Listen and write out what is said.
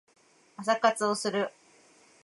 朝活をする